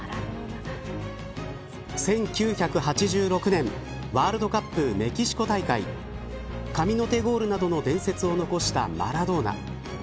１９８６年ワールドカップ、メキシコ大会神の手ゴールなどの伝説を残したマラドーナ。